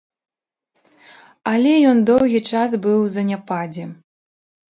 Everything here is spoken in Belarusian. Але ён доўгі час быў у заняпадзе.